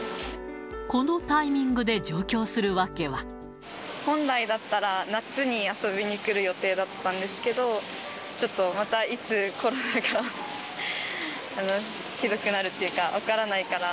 このタイミングで上京する訳本来だったら、夏に遊びに来る予定だったんですけど、ちょっとまたいつコロナがひどくなるっていうか、分からないから。